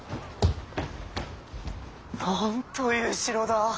なんという城だ。